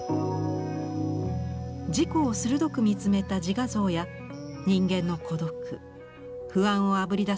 自己を鋭く見つめた自画像や人間の孤独不安をあぶり出す